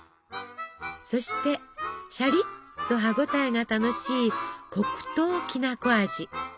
そしてしゃりっと歯応えが楽しい黒糖きなこ味。